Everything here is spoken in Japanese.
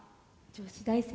女子大生！？